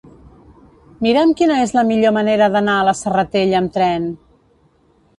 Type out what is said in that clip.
Mira'm quina és la millor manera d'anar a la Serratella amb tren.